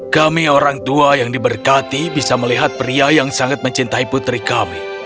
kami orang tua yang diberkati bisa melihat pria yang sangat mencintai putri kami